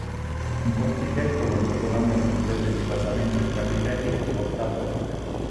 Un portichetto con due colonne complete di basamento e capitelli con volta a botte.